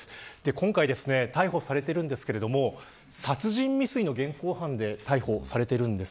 今回、逮捕されていますが殺人未遂の現行犯で逮捕されているんです。